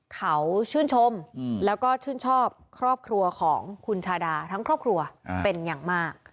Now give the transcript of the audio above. เขาชื่นชมแล้วก็ชื่นชอบครอบครัวของคุณชาดาทั้งครอบครัวเป็นอย่างมาก